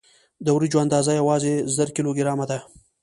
د وریجو اندازه یوازې زر کیلو ګرامه ده.